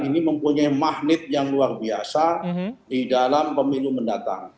ini mempunyai magnet yang luar biasa di dalam pemilu mendatang